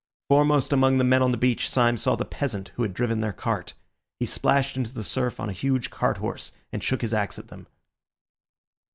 Foremost among the men on the beach Syme saw the peasant who had driven their cart. He splashed into the surf on a huge cart horse, and shook his axe at them.